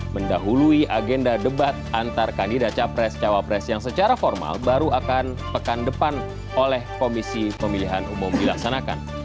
mendahului agenda debat antar kandidat capres cawapres yang secara formal baru akan pekan depan oleh komisi pemilihan umum dilaksanakan